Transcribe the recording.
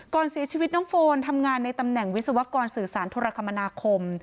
ก่อนเสียชีวิตน้องโฟนทำงานในตำแหน่งวิศวกรสื่อสารโทรคมนาคม